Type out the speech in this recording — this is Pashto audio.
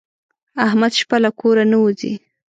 احمد شپه له کوره نه وځي.